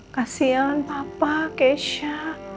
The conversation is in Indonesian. kasian papa kesha